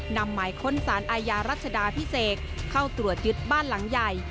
หมายค้นสารอาญารัชดาพิเศษเข้าตรวจยึดบ้านหลังใหญ่